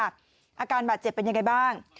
อาการบาดเจ็บเป็นยังไงบ้าง